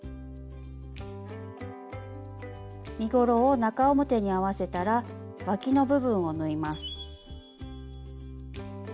身ごろを中表に合わせたらわきの部分を縫います。